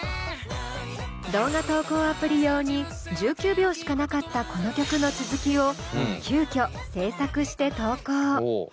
動画投稿アプリ用に１９秒しかなかったこの曲の続きを急きょ制作して投稿。